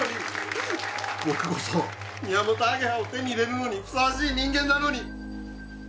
僕こそミヤモトアゲハを手に入れるのにふさわしい人間なのに！